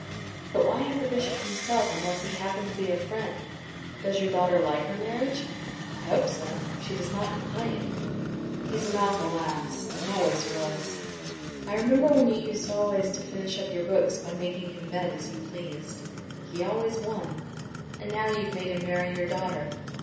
"But why have the Bishop himself unless he happen to be a friend? Does your daughter like her marriage?" "I hope so. She does not complain." "He's an awful ass, and always was. I remember when you used always to finish up your books by making him bet as you pleased." "He always won." "And now you've made him marry your daughter.